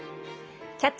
「キャッチ！